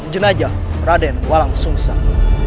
jenajah raden walang sung sang